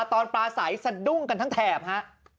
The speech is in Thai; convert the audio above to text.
ตอนปราศัยสะดุ้งกันทั้งแถบฮะ